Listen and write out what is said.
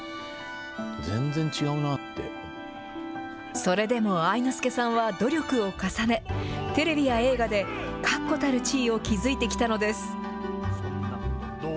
それでも愛之助さんは努力を重ね、テレビや映画で確固たる地位を築いてきたのです。